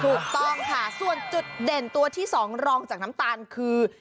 ถูกต้องค่ะส่วนจุดเด่นตัวที่๒รองจากน้ำตาลคือ